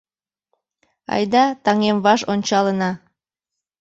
Айда, таҥем, ваш ончалына